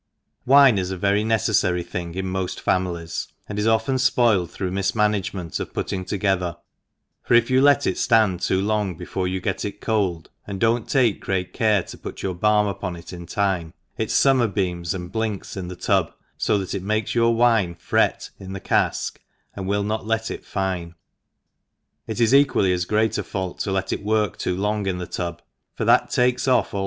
WINE is a very necefTary tkine; in moft fa« milies, and is often fpoiled through mif inanagement of putting together, for if you let it ftand too long before you get it cold, and do not take great cate to put your barm upon it in time, it fummer beams and blinks in the tub, fo that it makes your wine fret in the caik, and will not let it fine; it is equally as great a fault to let it work too long in the tub, for that takes off all